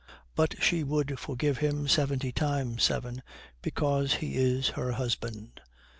But she would forgive him seventy times seven because he is her husband.